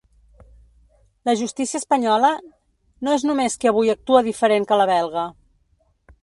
La justícia espanyola no és només que avui actua diferent que la belga.